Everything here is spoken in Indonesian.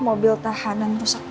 mobil tahanan rusak paling keras